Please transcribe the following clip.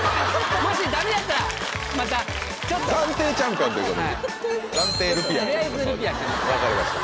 もしダメだったらまたちょっと暫定チャンピオンということで分かりました